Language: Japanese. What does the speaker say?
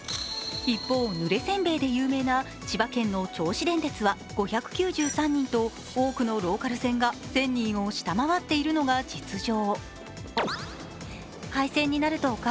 一方、ぬれせんべいで有名な千葉県の銚子電鉄は５９３人と多くのローカル線が１０００人を下回っているのが実情。